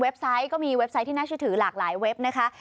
ไซต์ก็มีเว็บไซต์ที่น่าเชื่อถือหลากหลายเว็บนะคะ